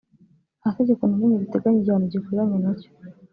nta tegeko na rimwe riteganya igihano gikwiranye nacyo